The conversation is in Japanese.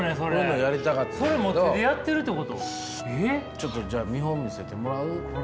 ちょっとじゃあ見本見せてもらう？